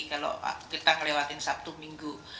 kalau kita ngelewatin sabtu minggu